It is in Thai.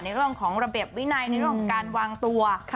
เรื่องของระเบียบวินัยในเรื่องของการวางตัว